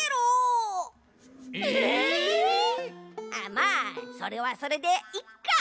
まあそれはそれでいっか！